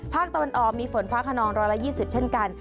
ภาคตะวันออกมีฝนฟ้าขนอง๑๒๐เช่นกัน